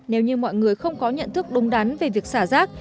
nếu như mọi người không có nhận thức đúng đắn về việc xả rác